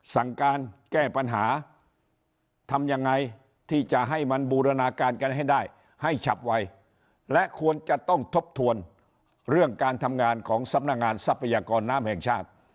สั่งการแก้ปัญหาทำยังไงที่จะให้มันบูรณาการกันให้ได้ให้ฉับไวและควรจะต้องทบทวนเรื่องการทำงานของสำนักงานทรัพยากรน้ำแห่งชาติ